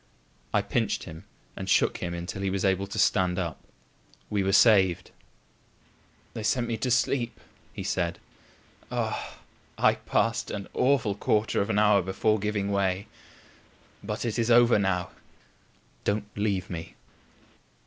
I pinched him and shook him until he was able to stand up. We were saved! "They sent me to sleep," he said. "Ah! I passed an awful quarter of an hour before giving way. But it is over now. Don't leave me."